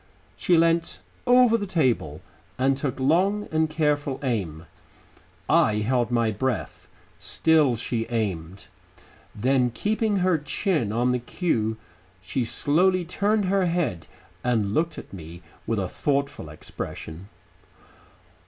She leant over the table and took long and careful aim. I held my breath.... Still she aimed.... Then keeping her chin on the cue, she slowly turned her head and looked up at me with a thoughtful expression.